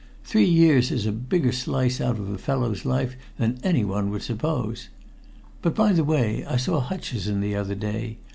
Three years is a bigger slice out of a fellow's life than anyone would suppose. But, by the way, I saw Hutcheson the other day.